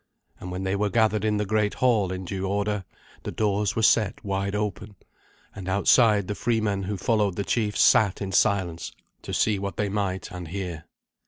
And when they were gathered in the great hall in due order, the doors were set wide open, and outside the freemen who followed the chiefs sat in silence to see what they might and hear.